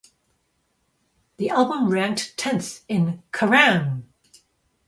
The album ranked tenth in Kerrang!